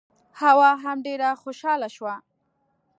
حوا هم ډېره خوشاله شوه.